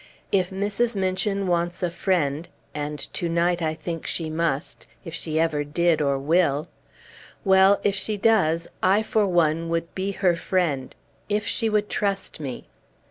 "If Mrs. Minchin wants a friend and to night I think she must if ever she did or will! Well, if she does, I for one would be her friend if she would trust me!"